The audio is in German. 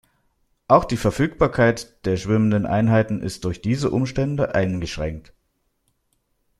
Auch die Verfügbarkeit der schwimmenden Einheiten ist durch diese Umstände eingeschränkt.